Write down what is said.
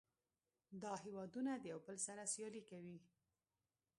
دا هیوادونه د یو بل سره سیالي کوي